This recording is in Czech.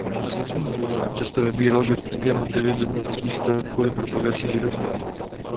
Často vybíral gotické motivy do městských staveb kvůli propagaci židovství.